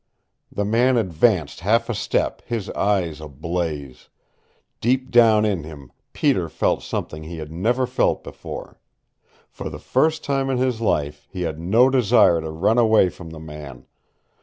The man advanced half a step, his eye ablaze. Deep down in him Peter felt something he had never felt before. For the first time in his life he had no desire to run away from the man.